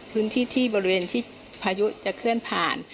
พื้นที่ที่บริเวณที่พายุจะเคลื่อนผ่าน